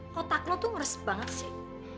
kotak lo tuh ngeres banget sih